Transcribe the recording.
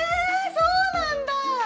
そうなんだ！